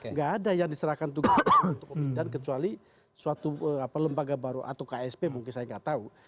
nggak ada yang diserahkan tugas untuk pemindahan kecuali suatu lembaga baru atau ksp mungkin saya nggak tahu